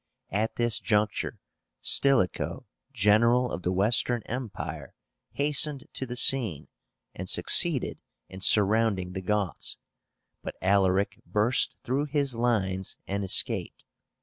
At this juncture, Stilicho, General of the Western Empire, hastened to the scene, and succeeded in surrounding the Goths, but Alaric burst through his lines and escaped.